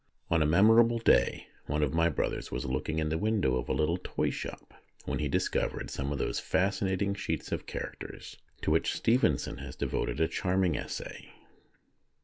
On a memorable day one of my brothers was looking in the window of a little toy shop when he dis covered some of those fascinating sheets of characters to which Stevenson has devoted a charming essay.